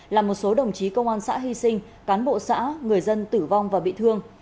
làm một số đồng chí công an xã hy sinh cán bộ xã người dân tử vong và bị thương